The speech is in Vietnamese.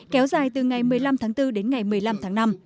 kéo dài từ ngày một mươi năm tháng bốn đến ngày một mươi năm tháng năm